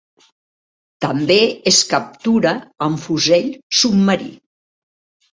També es captura amb fusell submarí.